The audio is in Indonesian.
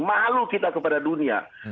malu kita kepada dunia